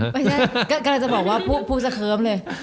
ไงท่ากำลังจะบอกว่าพูดสะเขิมเลย